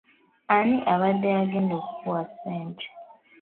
Ani badde agenda okukuwa ssente?